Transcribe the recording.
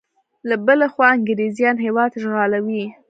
له بلې خوا انګریزیان هیواد اشغالوي.